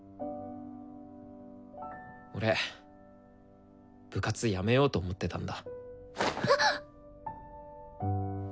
俺部活辞めようと思ってたんだ。